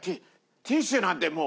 ティッシュなんてもう。